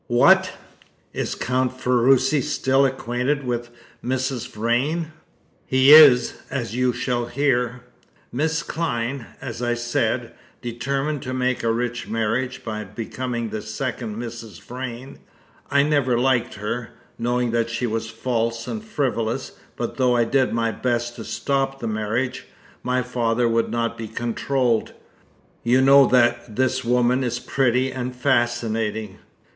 "What! Is Count Ferruci still acquainted with Mrs. Vrain?" "He is, as you shall hear. Miss Clyne, as I said, determined to make a rich marriage by becoming the second Mrs. Vrain. I never liked her, knowing that she was false and frivolous; but though I did my best to stop the marriage, my father would not be controlled. You know that this woman is pretty and fascinating."